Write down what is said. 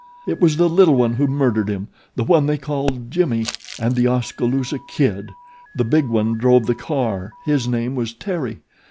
It was the little one who murdered him the one they called 'Jimmie' and 'The Oskaloosa Kid.' The big one drove the car his name was 'Terry.'